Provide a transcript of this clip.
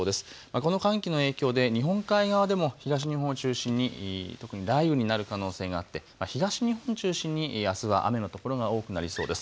この寒気の影響で日本海側でも東日本を中心に特に雷雨になる可能性があって東日本中心にあすは雨の所が多くなりそうです。